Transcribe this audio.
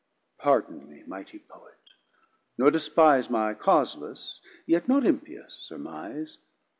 Pardon me, Mighty Poet, nor despise My causeless, yet not impious, surmise.